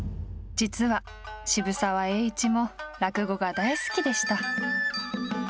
実は渋沢栄一も落語が大好きでした。